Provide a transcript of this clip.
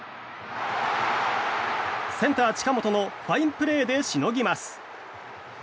センター近本のファインプレーでしのぎます。